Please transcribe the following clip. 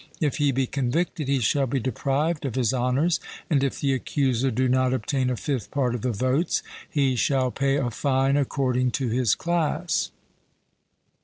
If he be convicted he shall be deprived of his honours, and if the accuser do not obtain a fifth part of the votes, he shall pay a fine according to his class.